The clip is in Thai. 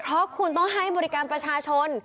เพราะคุณต้องให้บริการประชาชน